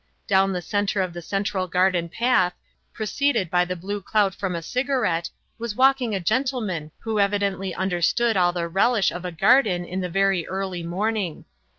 Down the centre of the central garden path, preceded by a blue cloud from a cigarette, was walking a gentleman who evidently understood all the relish of a garden in the very early morning.